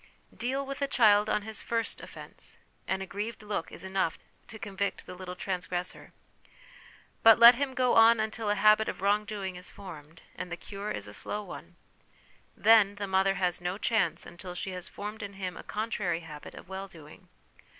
Deal with a child on \\isfirst offence, and a grieved look is enough to convict the little transgressor ; but let him go on until a habit of wrong doing is formed, and the cure is a slow one ; then the mother has no chance until she has formed in him a contrary habit of well doing.